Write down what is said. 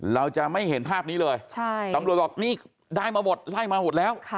เราจะไม่เห็นภาพนี้เลยตำรวจบอกนี่ได้มาหมดไล่มาหมดแล้ว